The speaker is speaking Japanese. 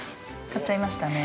買っちゃいましたね。